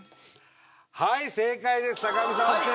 はい正解です坂上さんＯＫです。